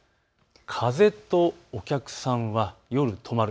風とお客さんは夜とまる。